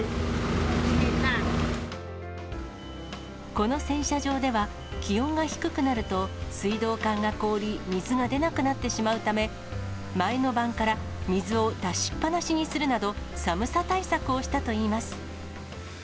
この洗車場では、気温が低くなると、水道管が凍り、水が出なくなってしまうため、前の晩から水を出しっ放しにするなど、寒さ対策をしたといいます。